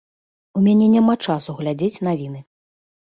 У мяне няма часу глядзець навіны.